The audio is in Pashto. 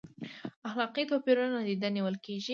اخلاقي توپیرونه نادیده نیول کیږي؟